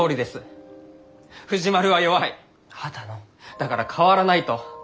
だから変わらないと。